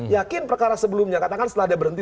yakin perkara sebelumnya katakan setelah dia berhenti